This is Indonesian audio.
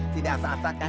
tidak apa apa kan